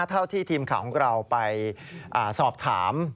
เท่าที่ทีมข่าวของเราไปสอบถาม